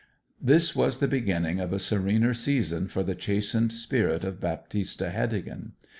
This was the beginning of a serener season for the chastened spirit of Baptista Heddegan.